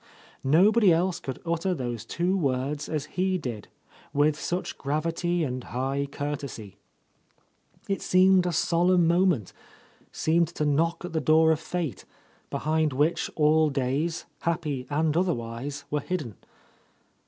Nbbody else could utter those twc words as he did, with such gravity and high cour tesy. It seemed a solemn moment, seemed to knock at the door of Fate; behind which all days, happy and otherwise, were hidden.